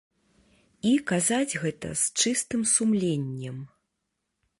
І казаць гэта з чыстым сумленнем.